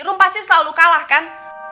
rum pasti selalu kalah kan